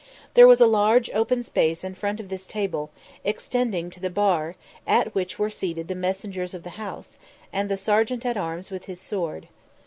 There was a large open space in front of this table, extending to the bar, at which were seated the messengers of the house, and the Sergeant at arms with his sword.